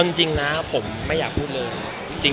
จริงนะผมไม่อยากพูดเลย